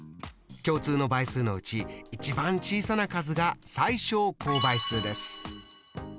共通の倍数のうち一番小さな数が最小公倍数です。